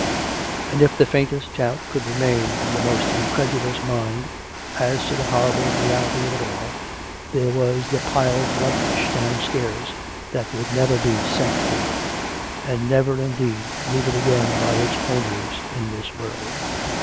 And, if the faintest doubt could remain in the most incredulous mind as to the horrible reality of it all, there was the piled luggage downstairs, that would never be " sent for " (and never, indeed, needed again by its owners in this world).